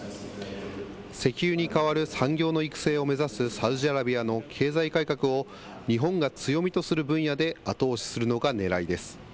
石油に代わる産業の育成を目指すサウジアラビアの経済改革を日本が強みとする分野で後押しするのがねらいです。